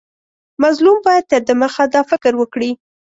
مظلوم باید تر دمخه دا فکر وکړي.